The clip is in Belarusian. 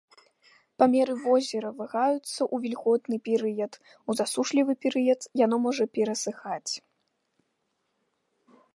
Памеры возера вагаюцца ў вільготны перыяд, у засушлівы перыяд яно можа перасыхаць.